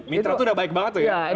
mitra itu sudah baik banget ya